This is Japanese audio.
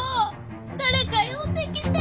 誰か呼んできて。